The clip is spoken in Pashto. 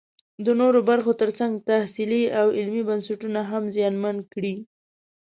د نورو برخو ترڅنګ تحصیلي او علمي بنسټونه هم زیانمن کړي